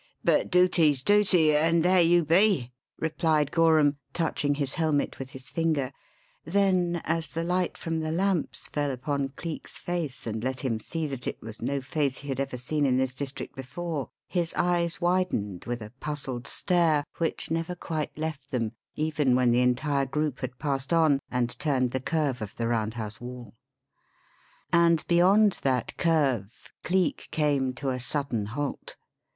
But dooty's dooty and there you be!" replied Gorham, touching his helmet with his finger; then, as the light from the lamps fell full upon Cleek's face and let him see that it was no face he had ever seen in this district before, his eyes widened with a puzzled stare which never quite left them even when the entire group had passed on and turned the curve of the Round House wall. And beyond that curve Cleek came to a sudden halt.